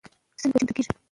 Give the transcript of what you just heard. سند به چمتو کیږي.